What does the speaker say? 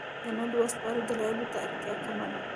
د نه لوست په اړه دلایلو ته اړتیا کمه ده.